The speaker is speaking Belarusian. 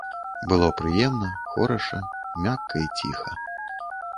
Было прыемна, хораша, мякка і ціха.